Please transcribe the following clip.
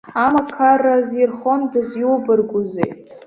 Амақарра азирхондаз, иубаргузеи!